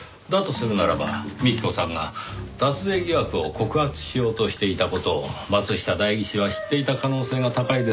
するならば幹子さんが脱税疑惑を告発しようとしていた事を松下代議士は知っていた可能性が高いですねぇ。